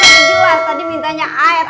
jelas tadi mintanya air